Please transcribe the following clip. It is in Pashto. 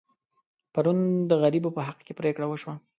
پرون د غریبو په حق کې پرېکړه وشوه.